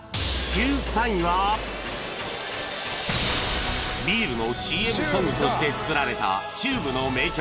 １３位はビールの ＣＭ ソングとして作られた ＴＵＢＥ の名曲